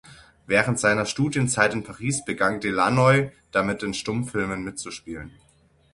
Während seiner Studienzeit in Paris begann Delannoy damit, in Stummfilmen mitzuspielen.